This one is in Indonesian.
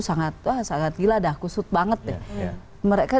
sangat gila dah kusut banget deh